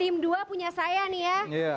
tim dua punya saya nih ya